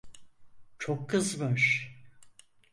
Çok kızmış.